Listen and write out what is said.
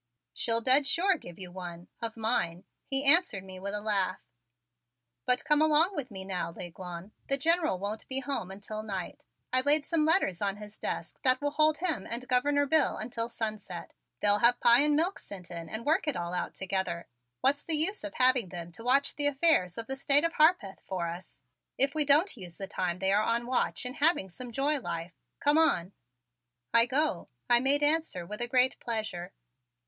"She'll dead sure give you one of mine," he answered me with a laugh, "but come along with me now, L'Aiglon. The General won't be home until night. I laid some letters on his desk that will hold him and Governor Bill until sunset. They'll have pie and milk sent in and work it all out together. What's the use of having them to watch the affairs of the State of Harpeth for us if we don't use the time they are on watch in having some joy life? Come on!" "I go," I made answer with a great pleasure.